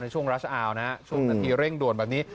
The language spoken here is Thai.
ช่วงรัชอาวนะช่วงนาทีเร่งด่วนแบบนี้